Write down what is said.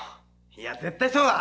いや絶対そうだ。